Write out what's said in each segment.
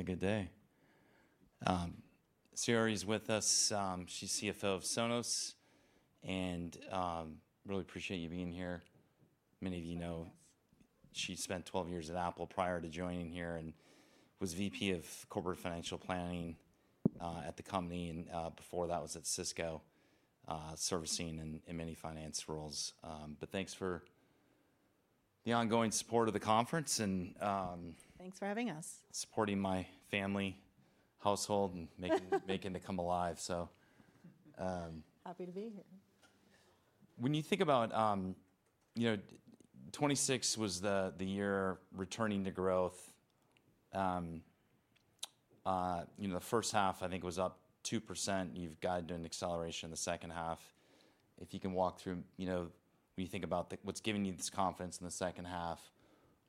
You're having a good day. Saori Casey is with us. She's CFO of Sonos, and really appreciate you being here. Many of you know she spent 12 years at Apple prior to joining here and was VP of Corporate Financial Planning at the company. Before that was at Cisco, servicing in many finance roles. Thanks for the ongoing support of the conference and. Thanks for having us. Supporting my family household making it come alive. Happy to be here. When you think about, 2026 was the year returning to growth. The first half, I think, was up 2%, and you've guided an acceleration in the second half. If you can walk through, when you think about what's giving you this confidence in the second half,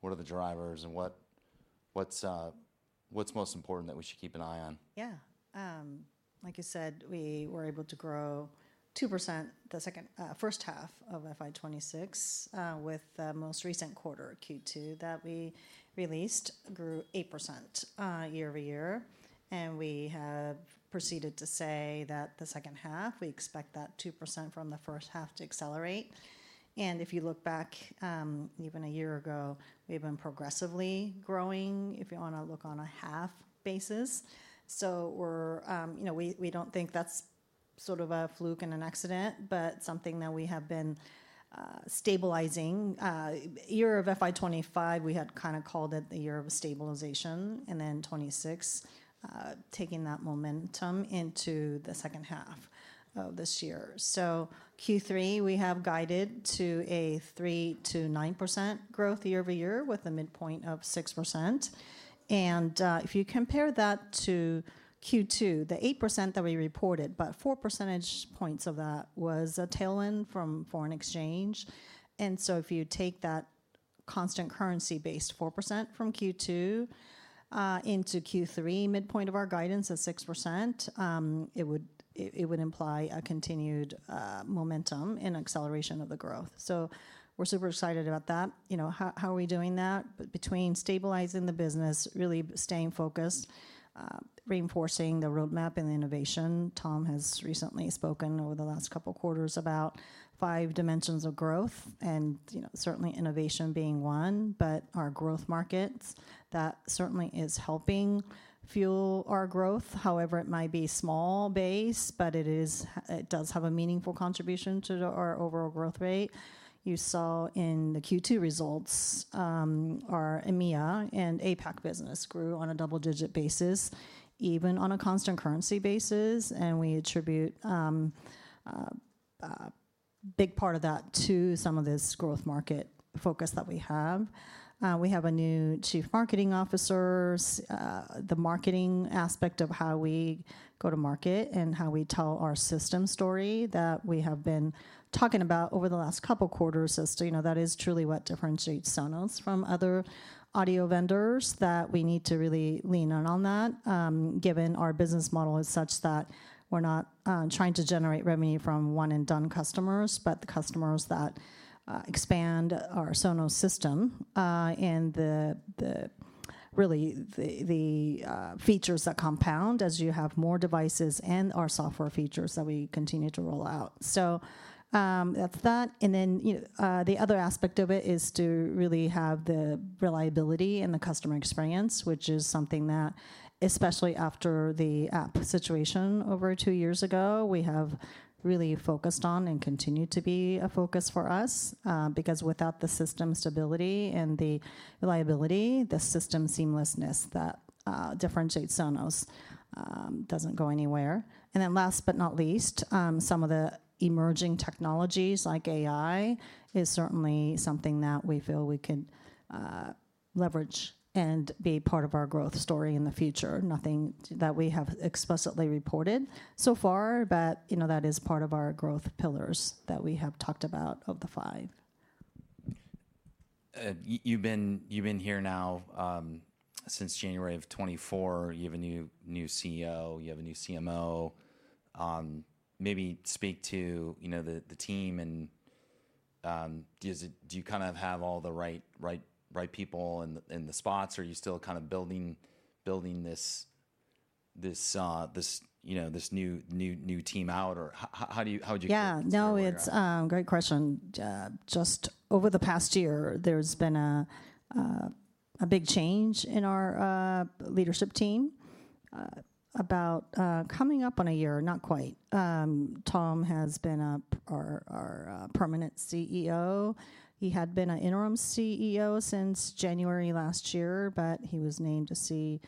what are the drivers and what's most important that we should keep an eye on? Yeah. Like you said, we were able to grow 2% the first half of FY 2026, with the most recent quarter, Q2, that we released grew 8% year-over-year. We have proceeded to say that the second half, we expect that 2% from the first half to accelerate. If you look back, even a year ago, we've been progressively growing, if you want to look on a half basis. We don't think that's sort of a fluke and an accident, but something that we have been stabilizing. Year of FY 2025, we had kind of called it the year of stabilization, and then 2026, taking that momentum into the second half of this year. Q3, we have guided to a 3%-9% growth year-over-year with a midpoint of 6%. If you compare that to Q2, the 8% that we reported, but 4 percentage points of that was a tailwind from foreign exchange. If you take that constant currency-based 4% from Q2 into Q3 midpoint of our guidance of 6%, it would imply a continued momentum and acceleration of the growth. We're super excited about that. How are we doing that? Between stabilizing the business, really staying focused, reinforcing the roadmap and the innovation. Tom has recently spoken over the last couple of quarters about five dimensions of growth and certainly innovation being one. Our growth markets, that certainly is helping fuel our growth. However, it might be small base, but it does have a meaningful contribution to our overall growth rate. You saw in the Q2 results, our EMEA and APAC business grew on a double-digit basis, even on a constant currency basis, and we attribute a big part of that to some of this growth market focus that we have. We have a new Chief Marketing Officer. The marketing aspect of how we go to market and how we tell our system story that we have been talking about over the last couple of quarters as to, that is truly what differentiates Sonos from other audio vendors that we need to really lean in on that, given our business model is such that we're not trying to generate revenue from one-and-done customers, but the customers that expand our Sonos system, and really the features that compound as you have more devices and our software features that we continue to roll out. The other aspect of it is to really have the reliability and the customer experience, which is something that, especially after the app situation over two years ago, we have really focused on and continued to be a focus for us. Without the system stability and the reliability, the system seamlessness that differentiates Sonos doesn't go anywhere. Last but not least, some of the emerging technologies like AI is certainly something that we feel we can leverage and be part of our growth story in the future. Nothing that we have explicitly reported so far, but that is part of our growth pillars that we have talked about of the five. You've been here now since January of 2024. You have a new CEO. You have a new CMO. Maybe speak to the team and, do you kind of have all the right people in the spots, or are you still kind of building this new team out, or how would you characterize where we're at? Yeah. No, it's a great question. Just over the past year, there's been a big change in our leadership team. About coming up on a year, not quite. Tom has been our permanent CEO. He had been an Interim CEO since January last year. He was named a CEO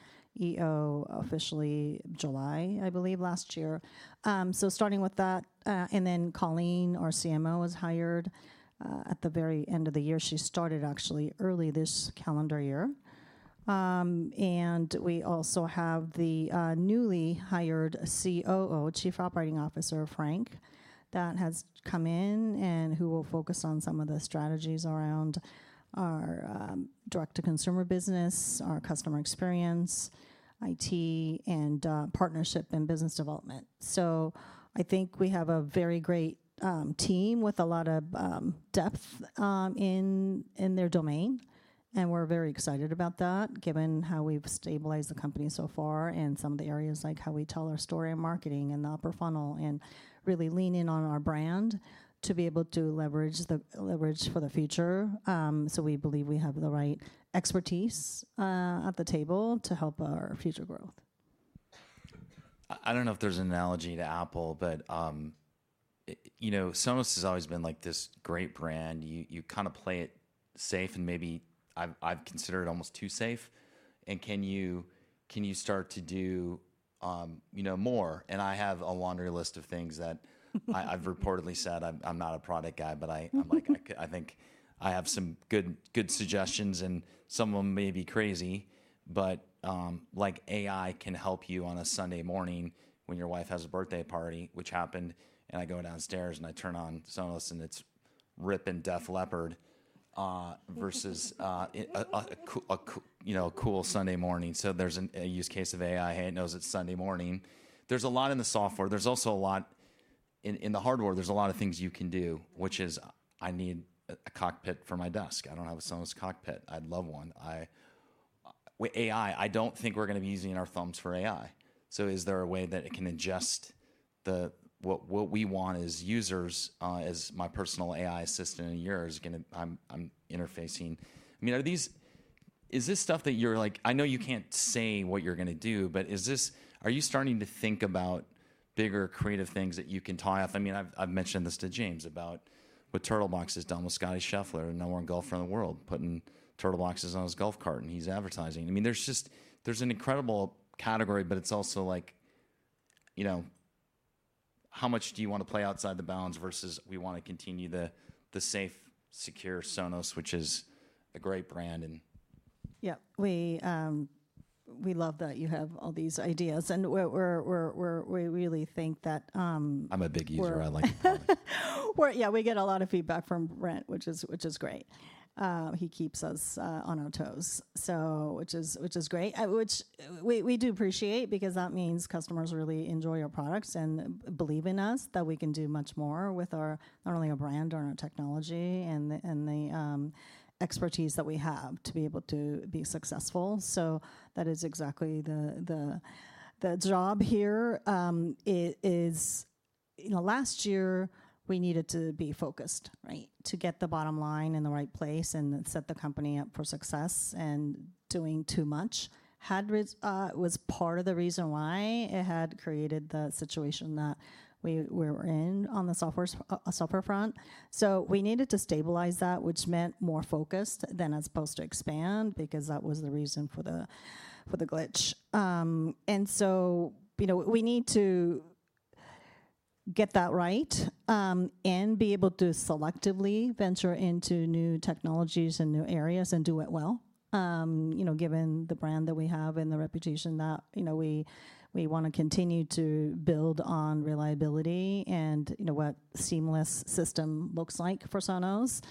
officially July, I believe, last year. Starting with that, Colleen, our CMO, was hired at the very end of the year. She started actually early this calendar year. We also have the newly hired COO, Chief Operating Officer, Frank, who has come in and who will focus on some of the strategies around our direct-to-consumer business, our customer experience, IT, and partnership and business development. I think we have a very great team with a lot of depth in their domain, and we're very excited about that given how we've stabilized the company so far in some of the areas like how we tell our story in marketing and the upper funnel, and really lean in on our brand to be able to leverage for the future. We believe we have the right expertise at the table to help our future growth. I don't know if there's an analogy to Apple, but Sonos has always been this great brand. You kind of play it safe, and maybe I've considered it almost too safe, and can you start to do more? I have a laundry list of things that I've reportedly said. I'm not a product guy, but I think I have some good suggestions, and some of them may be crazy, but like AI can help you on a Sunday morning when your wife has a birthday party, which happened, and I go downstairs and I turn on Sonos and it's ripping Def Leppard versus a cool Sunday morning. There's a use case of AI. Hey, it knows it's Sunday morning. There's a lot in the software. In the hardware, there's a lot of things you can do, which is I need a cockpit for my desk. I don't have a Sonos cockpit. I'd love one. With AI, I don't think we're going to be using our thumbs for AI. Is there a way that it can adjust what we want as users, as my personal AI assistant and yours? I'm interfacing. Are you starting to think about bigger creative things that you can tie off? I've mentioned this to James about what Turtlebox has done with Scottie Scheffler, the number one golfer in the world, putting Turtlebox on his golf cart, and he's advertising. There's an incredible category, but it's also like how much do you want to play outside the bounds versus we want to continue the safe, secure Sonos, which is a great brand. Yeah. We love that you have all these ideas. We really think. I'm a big user. I like the product. We get a lot of feedback from Brent, which is great. He keeps us on our toes, which is great, we do appreciate because that means customers really enjoy our products and believe in us that we can do much more with not only our brand or our technology and the expertise that we have to be able to be successful. That is exactly the job here. Last year we needed to be focused to get the bottom line in the right place and set the company up for success, and doing too much was part of the reason why it had created the situation that we were in on the software front. We needed to stabilize that, which meant more focused than as opposed to expand because that was the reason for the glitch. We need to get that right and be able to selectively venture into new technologies and new areas and do it well given the brand that we have and the reputation that we want to continue to build on reliability and what seamless system looks like for Sonos.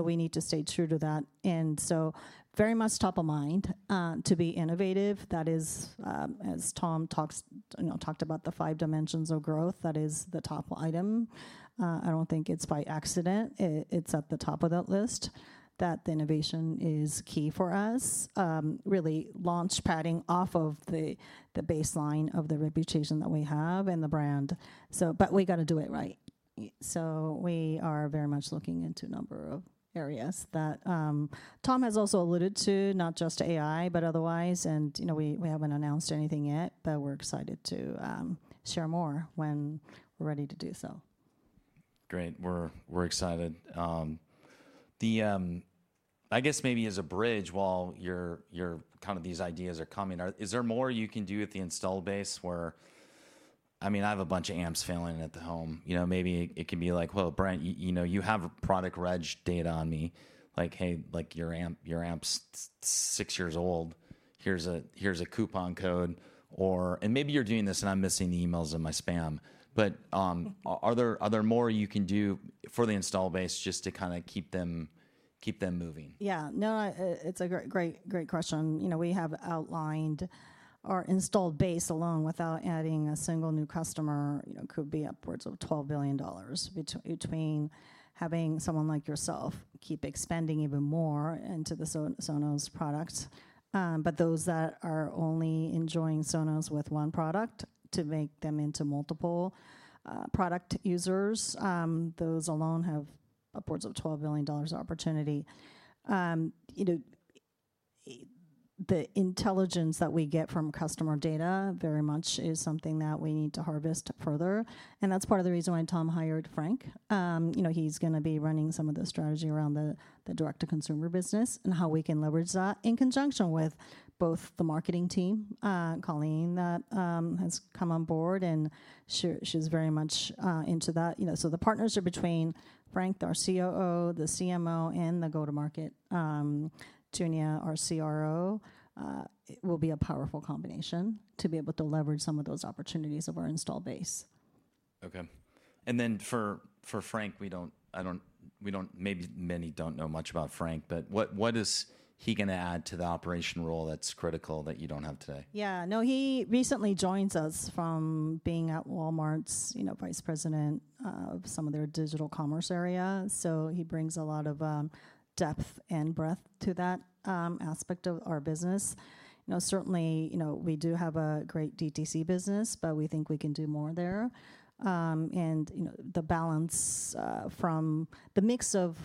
We need to stay true to that. Very much top of mind to be innovative. That is as Tom talked about the five dimensions of growth, that is the top item. I don't think it's by accident it's at the top of that list that the innovation is key for us. Really launch padding off of the baseline of the reputation that we have and the brand. We got to do it right. We are very much looking into a number of areas that Tom has also alluded to, not just AI, but otherwise, and we haven't announced anything yet, but we're excited to share more when we're ready to do so. Great. We're excited. I guess maybe as a bridge while these ideas are coming, is there more you can do at the install base where, I have a bunch of amps failing at the home. Maybe it can be like, well, Brent, you have product reg data on me. Like, "Hey, your amp's six years old. Here's a coupon code." Maybe you're doing this and I'm missing the emails in my spam, but are there more you can do for the install base just to keep them moving? No, it's a great question. We have outlined our installed base along without adding a single new customer, could be upwards of $12 billion between having someone like yourself keep expanding even more into the Sonos product. Those that are only enjoying Sonos with one product to make them into multiple product users, those alone have upwards of $12 billion of opportunity. The intelligence that we get from customer data very much is something that we need to harvest further, and that's part of the reason why Tom hired Frank. He's going to be running some of the strategy around the direct-to-consumer business and how we can leverage that in conjunction with both the marketing team, Colleen, that has come on board, and she's very much into that. The partners are between Frank, our COO, the CMO, and the go-to-market, Dunja, our CRO. It will be a powerful combination to be able to leverage some of those opportunities of our install base. Okay. For Frank, maybe many don't know much about Frank, but what is he going to add to the operation role that's critical that you don't have today? Yeah. No, he recently joins us from being at Walmart's Vice President of some of their digital commerce area. He brings a lot of depth and breadth to that aspect of our business. Certainly, we do have a great DTC business, but we think we can do more there. The balance from the mix of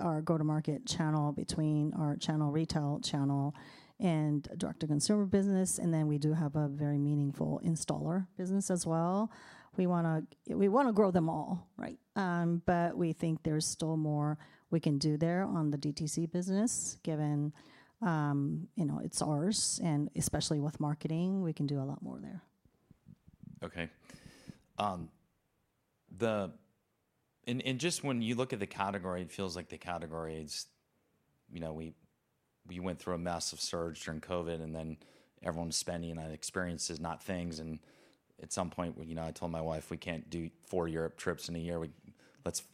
our go-to-market channel between our channel retail channel and direct-to-consumer business, and then we do have a very meaningful installer business as well. We want to grow them all, right? We think there's still more we can do there on the DTC business, given it's ours, and especially with marketing, we can do a lot more there. Okay. Just when you look at the category, it feels like the category, we went through a massive surge during COVID, and then everyone was spending on experiences, not things. At some point, I told my wife, "We can't do four Europe trips in a year.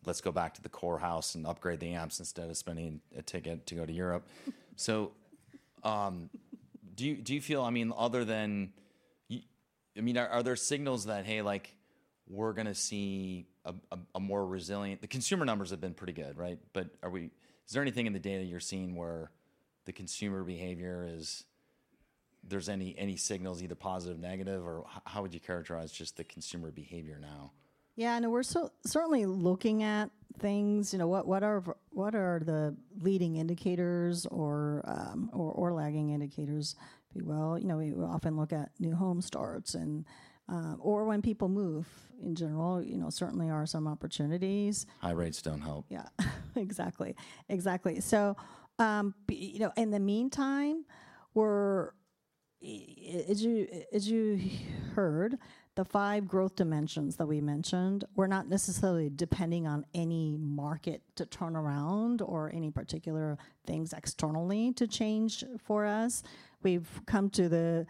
Let's go back to the core house and upgrade the amps instead of spending a ticket to go to Europe." Do you feel, are there signals that, hey, we're going to see a more resilient. The consumer numbers have been pretty good, right? Is there anything in the data you're seeing where the consumer behavior is, there's any signals, either positive, negative, or how would you characterize just the consumer behavior now? Yeah, no. We're certainly looking at things. What are the leading indicators or lagging indicators? We often look at new home starts, or when people move, in general, certainly are some opportunities. High rates don't help. Yeah. Exactly. In the meantime, as you heard, the five growth dimensions that we mentioned were not necessarily depending on any market to turn around or any particular things externally to change for us. We've come to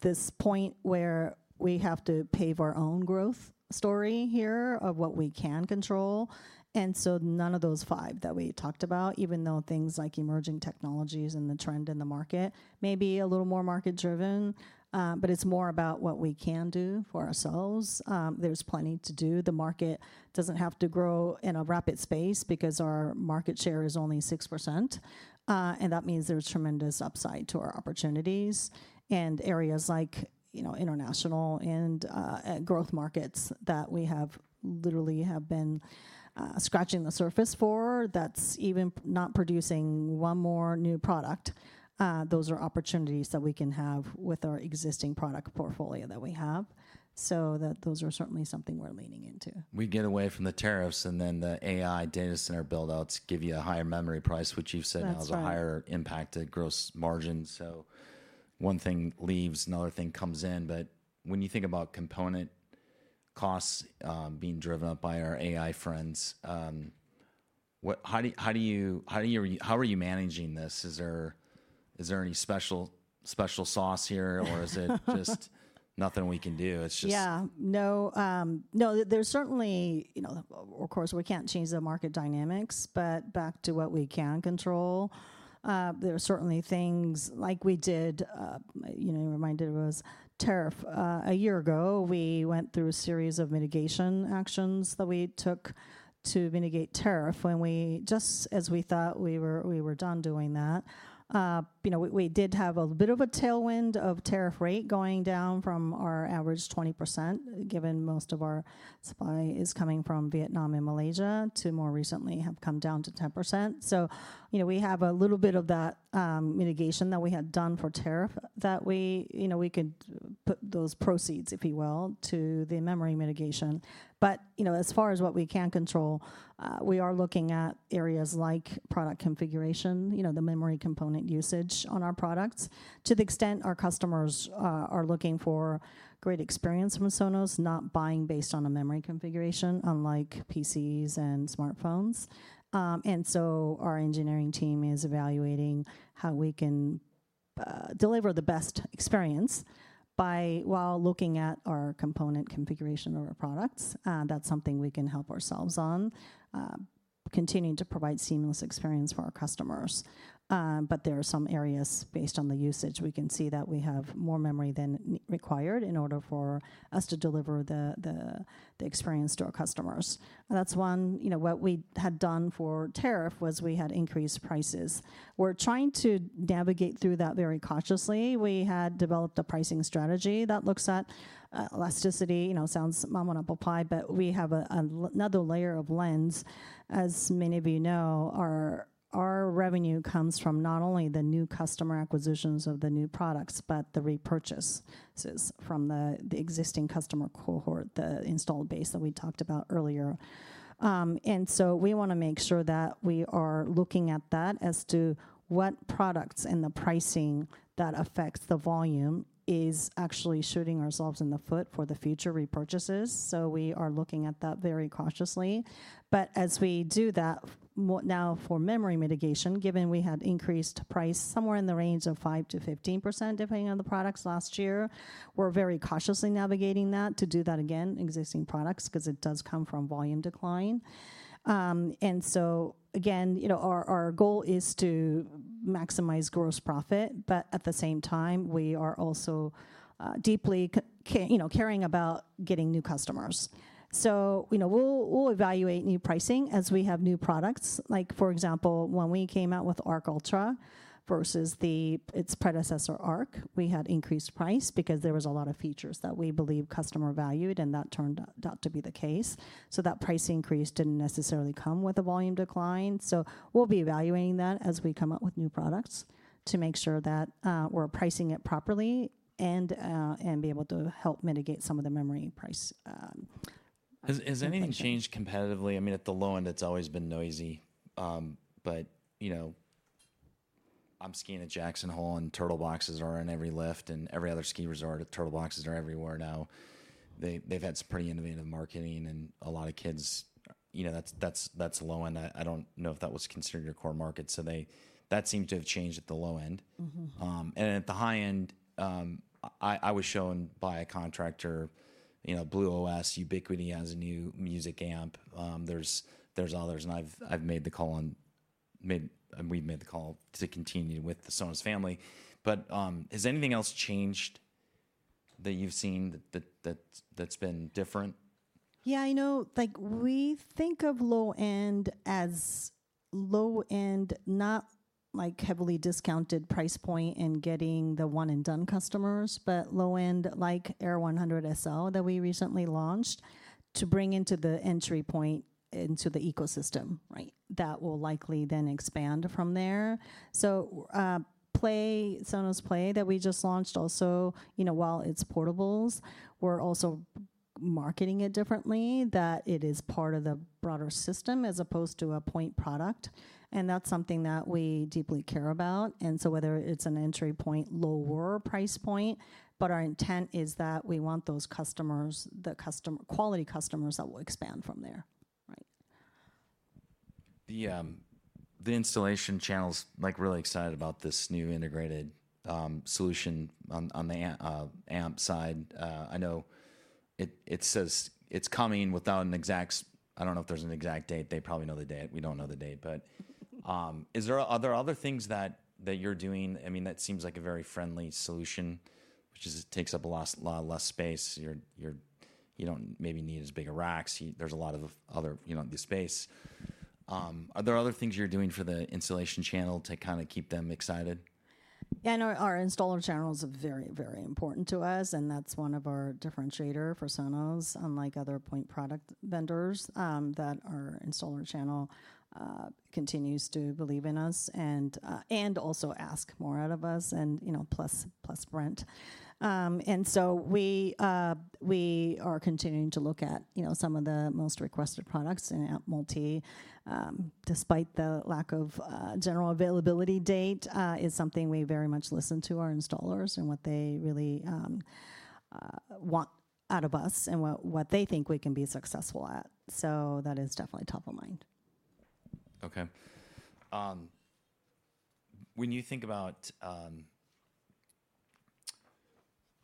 this point where we have to pave our own growth story here of what we can control. None of those five that we talked about, even though things like emerging technologies and the trend in the market may be a little more market driven, but it's more about what we can do for ourselves. There's plenty to do. The market doesn't have to grow in a rapid space because our market share is only 6%, and that means there's tremendous upside to our opportunities and areas like international and growth markets that we have literally have been scratching the surface for. That's even not producing one more new product. Those are opportunities that we can have with our existing product portfolio that we have. Those are certainly something we're leaning into. We get away from the tariffs, and then the AI data center build-outs give you a higher memory price, which you've said- That's right. has a higher impact at gross margin. One thing leaves, another thing comes in. When you think about component costs being driven up by our AI friends, how are you managing this? Is there any special sauce here, or is it just nothing we can do? Yeah. No. There is certainly, of course, we cannot change the market dynamics. Back to what we can control, there are certainly things like we did, you reminded it was tariff. A year ago, we went through a series of mitigation actions that we took to mitigate tariff. When we, just as we thought we were done doing that, we did have a bit of a tailwind of tariff rate going down from our average 20%, given most of our supply is coming from Vietnam and Malaysia, to more recently have come down to 10%. We have a little bit of that mitigation that we had done for tariff that we could put those proceeds, if you will, to the memory mitigation. As far as what we can control, we are looking at areas like product configuration, the memory component usage on our products. To the extent our customers are looking for great experience from Sonos, not buying based on a memory configuration, unlike PCs and smartphones. Our engineering team is evaluating how we can deliver the best experience while looking at our component configuration of our products. That's something we can help ourselves on, continuing to provide seamless experience for our customers. There are some areas based on the usage, we can see that we have more memory than required in order for us to deliver the experience to our customers. That's one. What we had done for tariff was we had increased prices. We're trying to navigate through that very cautiously. We had developed a pricing strategy that looks at elasticity. Sounds mom on apple pie, but we have another layer of lens. As many of you know, our revenue comes from not only the new customer acquisitions of the new products, but the repurchases from the existing customer cohort, the installed base that we talked about earlier. We want to make sure that we are looking at that as to what products and the pricing that affects the volume is actually shooting ourselves in the foot for the future repurchases. We are looking at that very cautiously. As we do that, now for memory mitigation, given we had increased price somewhere in the range of 5%-15%, depending on the products last year, we're very cautiously navigating that to do that again, existing products, because it does come from volume decline. Again, our goal is to maximize gross profit, but at the same time, we are also deeply caring about getting new customers. We'll evaluate new pricing as we have new products. Like for example, when we came out with Arc Ultra versus its predecessor, Arc, we had increased price because there was a lot of features that we believe customer valued, and that turned out to be the case. That price increase didn't necessarily come with a volume decline. We'll be evaluating that as we come up with new products to make sure that we're pricing it properly and be able to help mitigate some of the memory price Has anything changed competitively? At the low end it's always been noisy. I'm skiing at Jackson Hole, and Turtlebox are on every lift and every other ski resort. Turtlebox are everywhere now. They've had some pretty innovative marketing and a lot of kids, that's low end. I don't know if that was considered your core market. That seemed to have changed at the low end. At the high end, I was shown by a contractor, BluOS, Ubiquiti has a new music amp. There's others, and we've made the call to continue with the Sonos family. Has anything else changed that you've seen that's been different? Yeah. We think of low end as low end, not heavily discounted price point and getting the one-and-done customers, but low end like Era 100 SL that we recently launched to bring into the entry point into the ecosystem. Right. That will likely then expand from there. Sonos Play that we just launched also, while it's portables, we're also marketing it differently, that it is part of the broader system as opposed to a point product. That's something that we deeply care about. Whether it's an entry point, lower price point, but our intent is that we want those quality customers that will expand from there. Right. The installation channel's really excited about this new integrated solution on the amp side. I know it's coming without an exact date. They probably know the date. We don't know the date. Are there other things that you're doing? That seems like a very friendly solution, which just takes up a lot less space. You don't maybe need as big a racks. There's a lot of other space. Are there other things you're doing for the installation channel to keep them excited? Yeah. No, our installer channel is very, very important to us, and that's one of our differentiator for Sonos, unlike other point product vendors, that our installer channel continues to believe in us and also ask more out of us and plus Brent. We are continuing to look at some of the most requested products, and Amp Multi, despite the lack of general availability date, is something we very much listen to our installers and what they really want out of us and what they think we can be successful at. That is definitely top of mind. Okay. When you think about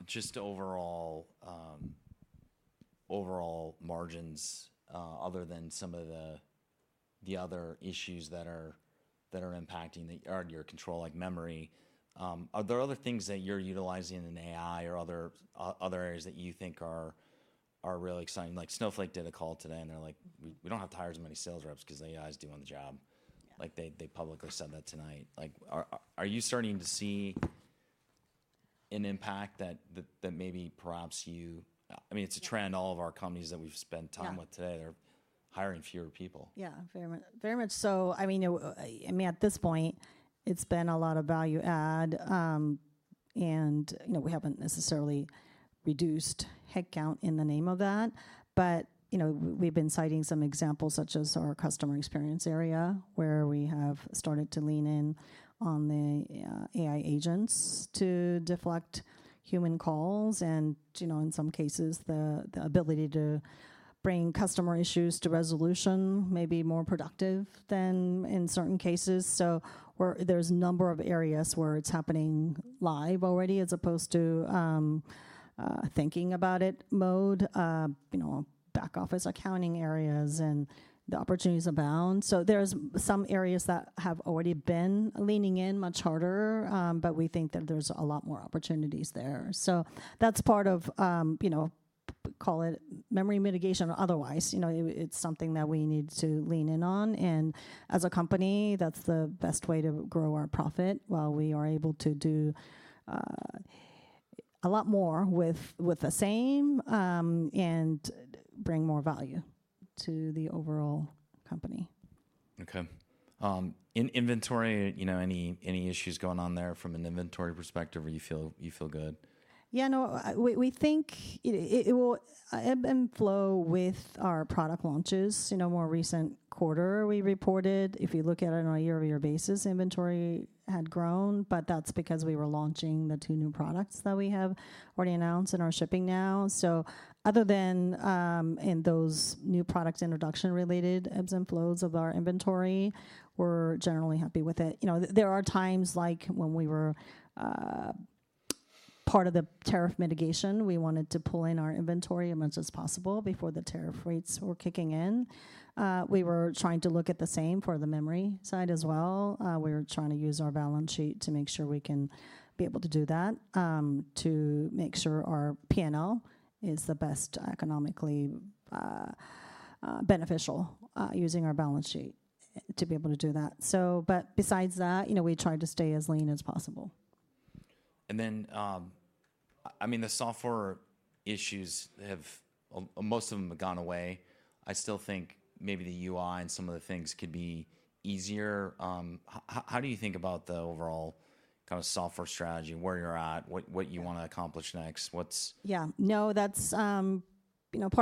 just overall margins, other than some of the other issues that are impacting or under your control, like memory, are there other things that you're utilizing in AI or other areas that you think are really exciting? Snowflake did a call today, and they're like, "We don't have to hire as many sales reps because AI's doing the job. Yeah. They publicly said that tonight. Are you starting to see an impact that maybe perhaps you? It's a trend all of our companies that we've spent time with today. Yeah are hiring fewer people. Yeah. Very much so. At this point, it's been a lot of value add. We haven't necessarily reduced headcount in the name of that. We've been citing some examples, such as our customer experience area, where we have started to lean in on the AI agents to deflect human calls. In some cases, the ability to bring customer issues to resolution may be more productive than in certain cases. There's a number of areas where it's happening live already, as opposed to thinking about it mode. Back office accounting areas. The opportunities abound. There's some areas that have already been leaning in much harder, but we think that there's a lot more opportunities there. That's part of call it memory mitigation or otherwise. It's something that we need to lean in on. As a company, that's the best way to grow our profit while we are able to do a lot more with the same, and bring more value to the overall company. In inventory, any issues going on there from an inventory perspective, or you feel good? Yeah. No, we think it will ebb and flow with our product launches. More recent quarter, we reported, if you look at it on a year-over-year basis, inventory had grown, but that's because we were launching the two new products that we have already announced and are shipping now. Other than in those new product introduction related ebbs and flows of our inventory, we're generally happy with it. There are times like when we were part of the tariff mitigation, we wanted to pull in our inventory as much as possible before the tariff rates were kicking in. We were trying to look at the same for the memory side as well. We were trying to use our balance sheet to make sure we can be able to do that, to make sure our P&L is the best economically beneficial, using our balance sheet to be able to do that. Besides that, we try to stay as lean as possible. The software issues, most of them have gone away. I still think maybe the UI and some of the things could be easier. How do you think about the overall kind of software strategy, where you're at, what you want to accomplish next? Yeah. No, that's part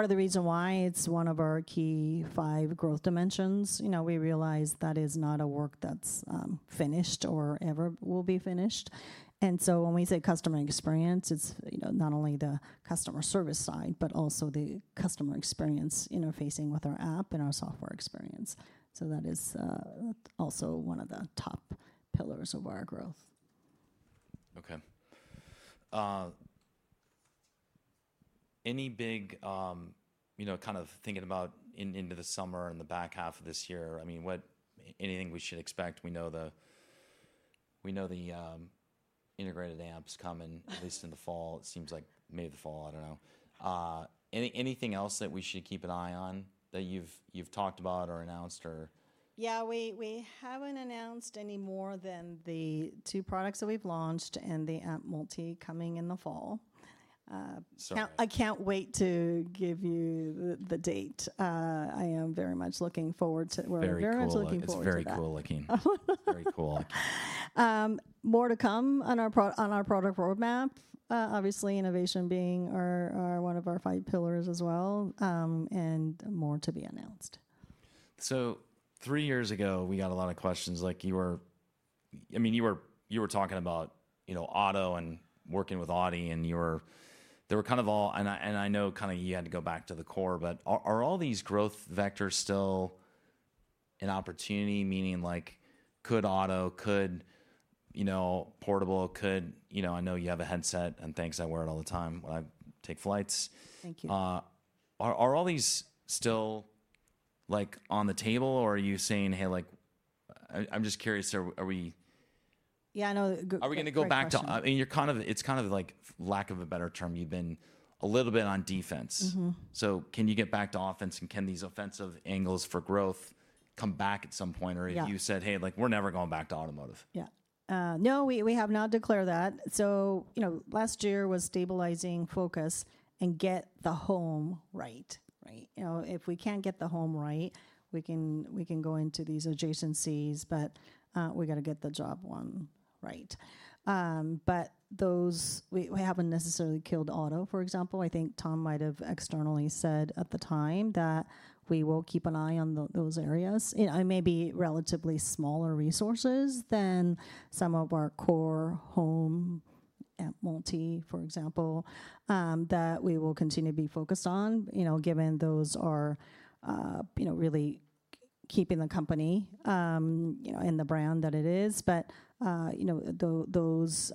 of the reason why it's one of our key five growth dimensions. We realize that is not a work that's finished or ever will be finished. When we say customer experience, it's not only the customer service side, but also the customer experience interfacing with our app and our software experience. That is also one of the top pillars of our growth. Okay. Kind of thinking about into the summer and the back half of this year, anything we should expect? We know the integrated Amp's coming at least in the fall. It seems like maybe the fall, I don't know. Anything else that we should keep an eye on that you've talked about or announced or? Yeah. We haven't announced any more than the two products that we've launched and the Amp Multi coming in the fall. Sorry. I can't wait to give you the date. I am very much looking forward to. Very cool looking. It's very cool looking. It's very cool looking. More to come on our product roadmap. Obviously, innovation being one of our five pillars as well, and more to be announced. Three years ago, we got a lot of questions. You were talking about auto and working with Audi, and I know you had to go back to the core, but are all these growth vectors still an opportunity? Meaning like, could auto, could portable, could I know you have a headset and things. I wear it all the time when I take flights. Thank you. Are all these still on the table, or are you saying, "Hey," I'm just curious? Yeah, no, good question. It's kind of, lack of a better term, you've been a little bit on defense. Can you get back to offense, and can these offensive angles for growth come back at some point? Yeah. Have you said, "Hey, we're never going back to automotive"? Yeah. We have not declared that. Last year was stabilizing focus and get the home right. If we can't get the home right, we can go into these adjacencies. We've got to get the job one right. We haven't necessarily killed auto, for example. I think Tom might have externally said at the time that we will keep an eye on those areas. It may be relatively smaller resources than some of our core home Amp Multi, for example, that we will continue to be focused on, given those are really keeping the company and the brand that it is. Those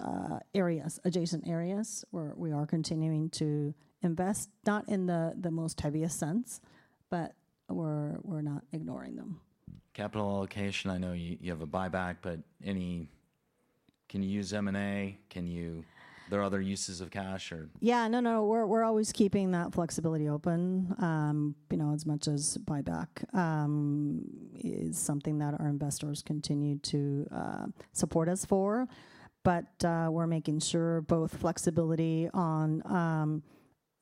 adjacent areas, we are continuing to invest, not in the most heaviest sense, but we're not ignoring them. Capital allocation, I know you have a buyback, but can you use M&A? There are other uses of cash, or? Yeah. No, we're always keeping that flexibility open. As much as buyback is something that our investors continue to support us for, but we're making sure both flexibility on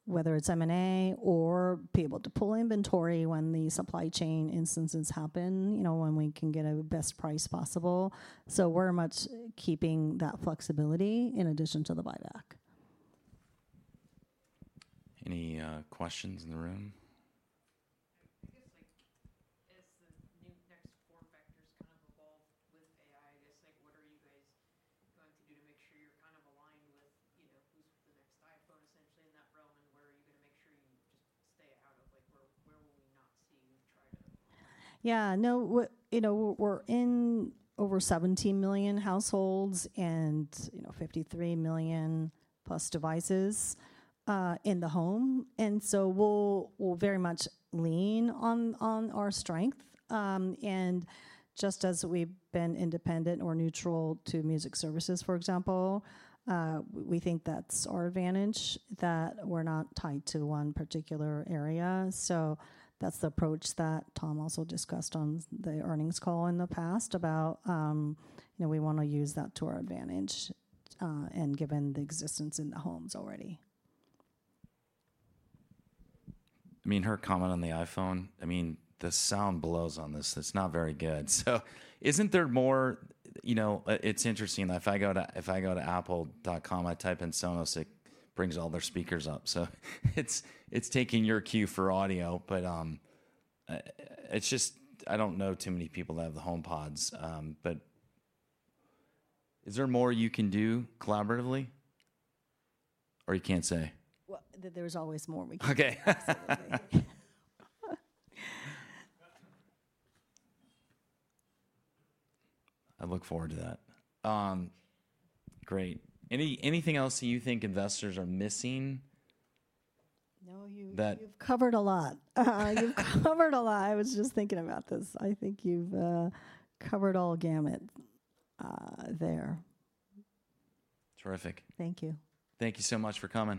whether it's M&A or be able to pull inventory when the supply chain instances happen, when we can get a best price possible. We're much keeping that flexibility in addition to the buyback. Any questions in the room? I guess, as the next core vectors kind of evolve with AI, I guess, what are you guys going to do to make sure you're kind of aligned with who's the next iPhone, essentially, in that realm? Where are you going to make sure you just stay out of? Yeah. No. We're in over 17 million households and 53 million plus devices in the home. We'll very much lean on our strength. Just as we've been independent or neutral to music services, for example, we think that's our advantage that we're not tied to one particular area. That's the approach that Tom also discussed on the earnings call in the past about we want to use that to our advantage, and given the existence in the homes already. Her comment on the iPhone, the sound blows on this. It's not very good. It's interesting. If I go to apple.com, I type in Sonos, it brings all their speakers up. It's taking your cue for audio. I don't know too many people that have the HomePod. Is there more you can do collaboratively, or you can't say? Well, there's always more we can do. Okay. Absolutely. I look forward to that. Great. Anything else that you think investors are missing? No, you've covered a lot. You've covered a lot. I was just thinking about this. I think you've covered all gamut there. Terrific. Thank you. Thank you so much for coming.